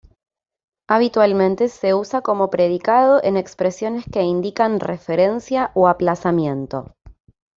Habitualmente, se usa como predicado en expresiones que indican referencia o aplazamiento.